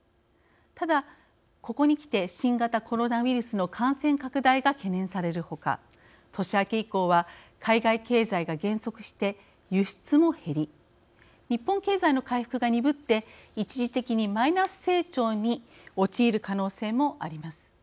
ただ、ここにきて新型コロナウイルスの感染拡大が懸念される他年明け以降は海外経済が減速して輸出も減り日本経済の回復が鈍って一時的にマイナス成長に陥る可能性もあります。